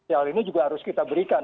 hal ini juga harus kita berikan